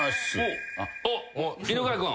おっ犬飼君。